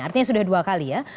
artinya sudah dua kali ya